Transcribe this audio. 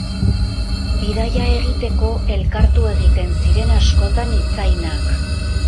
Bidaia egiteko, elkartu egiten ziren askotan itzainak.